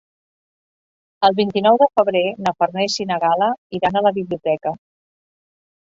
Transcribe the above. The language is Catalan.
El vint-i-nou de febrer na Farners i na Gal·la iran a la biblioteca.